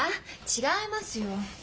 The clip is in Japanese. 違いますよ。